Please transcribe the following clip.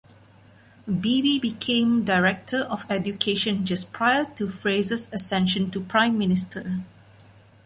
Beeby became Director of Education just prior to Fraser's ascension to Prime Minister.